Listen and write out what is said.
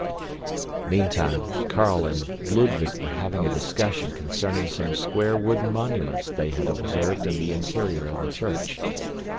Meantime Carl and Ludwig were having a discussion concerning some square wooden monuments they had observed in the interior of the church.